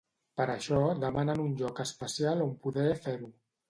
Per això, demanen un lloc especial on poder fer-ho.